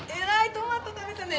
トマト食べたね。